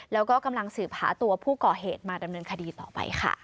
แล้วก็กำลังสืบหาตัวผู้ก่อเหตุมาดำเนินคดีต่อไปค่ะ